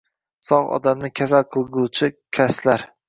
Sog’ odamni kasal qilguvchi kaslar.